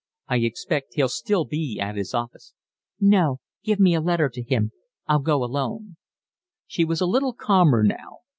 I expect he'll still be at his office." "No, give me a letter to him. I'll go alone." She was a little calmer now.